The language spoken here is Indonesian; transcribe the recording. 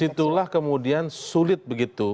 disitulah kemudian sulit begitu